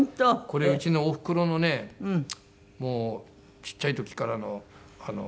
これうちのおふくろのねもうちっちゃい時からのあの。